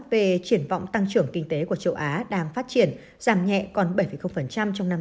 rằng triển vọng tăng trưởng kinh tế của châu á đang phát triển giảm nhẹ còn bảy trong năm